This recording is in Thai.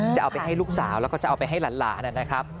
จะเอาไปให้ลูกสาวแล้วก็จะเอาไปให้หลานนะครับ